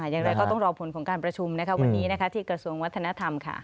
อย่างไรก็ต้องรอผลงานของการประชุมที่กระสวงวัฒนธรรมค่ะ